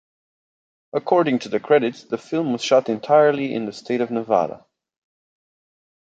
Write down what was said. According to the credits, the film was shot entirely in the state of Nevada.